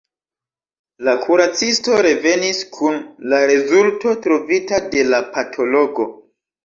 La kuracisto revenis kun la rezulto trovita de la patologo.